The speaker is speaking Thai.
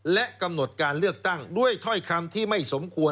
และกำหนดการเลือกตั้งด้วยถ้อยคำที่ไม่สมควร